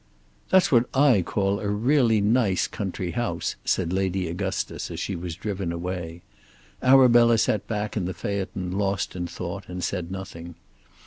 "That's what I call a really nice country house," said Lady Augustus as she was driven away. Arabella sat back in the phaeton lost in thought and said nothing.